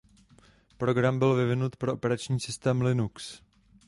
Program byl vyvinut pro operační systém Linux.